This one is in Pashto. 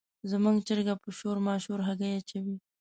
زموږ چرګه په شور ماشور هګۍ اچوي.